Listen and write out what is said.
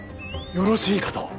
よろしいかと。